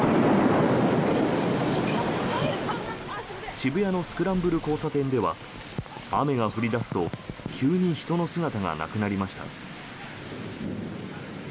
渋谷のスクランブル交差点では雨が降り出すと急に人の姿がなくなりました。